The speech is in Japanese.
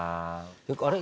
あれ？